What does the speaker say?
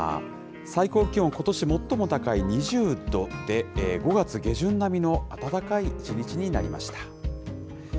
最高気温、ことし最も高い２０度で、５月下旬並みの暖かい一日になりました。